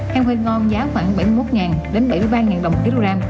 heo hơi ngon giá khoảng bảy mươi một đến bảy mươi ba đồng một kg